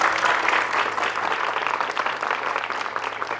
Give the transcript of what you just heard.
ขอบคุณครับ